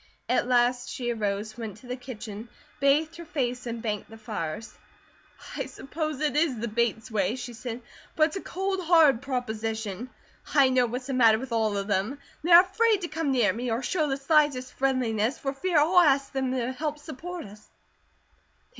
At last she arose, went to the kitchen, bathed her face, and banked the fires. "I suppose it is the Bates way," she said, "but it's a cold, hard proposition. I know what's the matter with all of them. They are afraid to come near me, or show the slightest friendliness, for fear I'll ask them to help support us.